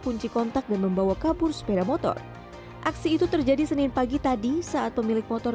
kunci kontak dan membawa kabur sepeda motor aksi itu terjadi senin pagi tadi saat pemilik motor